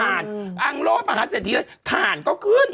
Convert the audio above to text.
อังโลมาหาเศรษฐีทานก็ขึ้น